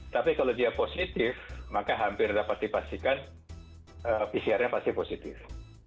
tapi kalau dia positif maka hampir dapat dipastikan pcr nya pasti positif